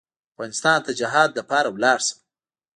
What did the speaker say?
افغانستان ته جهاد لپاره ولاړ شم.